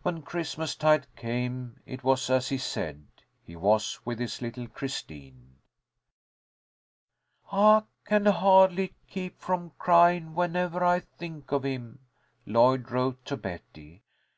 When Christmastide came, it was as he said. He was with his little Christine. "I can hardly keep from crying whenever I think of him," Lloyd wrote to Betty.